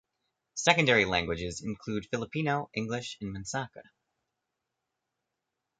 Secondary languages include Filipino, English and Mansaka.